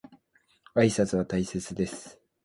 挨拶は大切です。